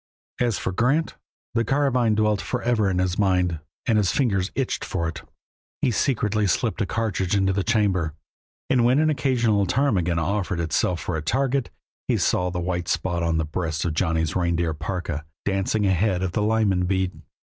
As for Grant, the carbine dwelt forever in his mind, and his fingers itched for it. He secretly slipped a cartridge into the chamber, and when an occasional ptarmigan offered itself for a target he saw the white spot on the breast of Johnny's reindeer parka, dancing ahead of the Lyman bead.